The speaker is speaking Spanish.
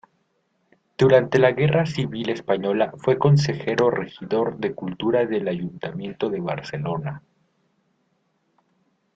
Durante la Guerra Civil Española fue consejero-regidor de Cultura del Ayuntamiento de Barcelona.